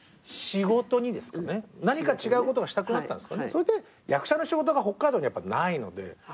それで役者の仕事が北海道にないので。